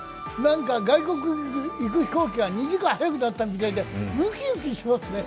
外国行く飛行機が２時間早くなったみたいでウキウキしますね。